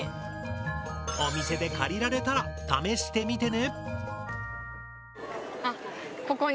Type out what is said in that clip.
お店で借りられたら試してみてね。